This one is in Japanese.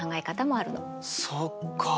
そっかあ。